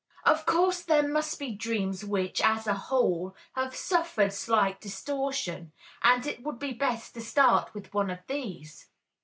Of course, there must be dreams which, as a whole, have suffered slight distortion, and it would be best to start with one of these.